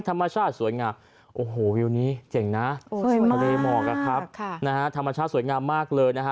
ธรรมชาติสวยงามโอ้โหวิวนี้เจ๋งนะทะเลหมอกนะครับธรรมชาติสวยงามมากเลยนะฮะ